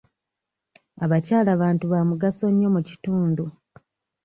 Abakyala bantu ba mugaso nnyo mu kitundu.